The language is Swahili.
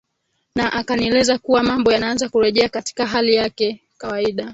na akanieleza kuwa mambo yanaanza kurejea katika hali yake kawaida